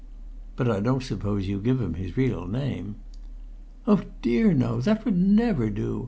"But I don't suppose you give his real name?" "Oh, dear, no. That would never do.